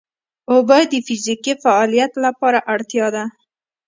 اوبه د فزیکي فعالیت لپاره اړتیا ده